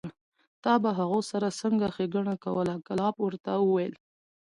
تا به هغو سره څنګه ښېګڼه کوله؟ کلاب ورته وویل: